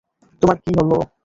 তোমার কী হল?